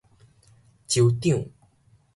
州長